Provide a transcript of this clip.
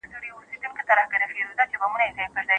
پوهان وایي چي عاید باید په اوږد مهال کي لوړ سي.